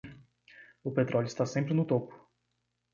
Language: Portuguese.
O petróleo está sempre no topo.